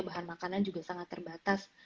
bahan makanan juga sangat terbatas